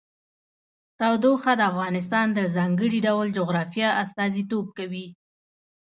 تودوخه د افغانستان د ځانګړي ډول جغرافیه استازیتوب کوي.